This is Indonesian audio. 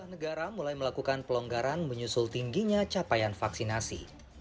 lima negara mulai melakukan pelonggaran menyusul tingginya capaian vaksinasi